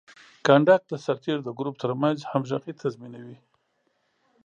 کنډک د سرتیرو د ګروپ ترمنځ همغږي تضمینوي.